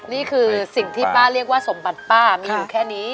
นี่คือสิ่งที่ป้าเรียกว่าสมบัติป้ามีอยู่แค่นี้